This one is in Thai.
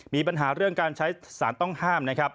มีปัญหาเรื่องการใช้สารต้องห้ามนะครับ